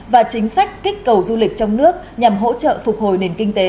và chính sách kích cầu du lịch trong nước nhằm hỗ trợ phục hồi nền kinh tế